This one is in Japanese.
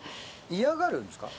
嫌がるんですか？